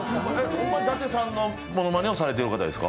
伊達さんのものまねをされてる方ですか？